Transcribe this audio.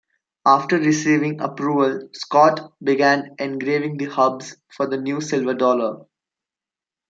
After receiving approval, Scot began engraving the hubs for the new silver dollar.